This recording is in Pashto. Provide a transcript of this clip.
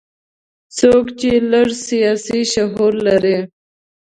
څوک چې لږ سیاسي شعور لري.